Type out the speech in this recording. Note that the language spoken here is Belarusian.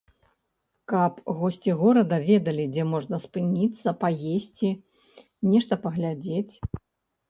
Каб госці горада ведалі, дзе можна спыніцца, паесці, нешта паглядзець.